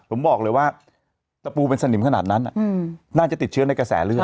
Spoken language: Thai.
ผมบอกเลยว่าตะปูเป็นสนิมขนาดนั้นน่าจะติดเชื้อในกระแสเลือด